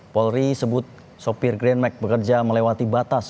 polri sebut sopir grandmack bekerja melewati batas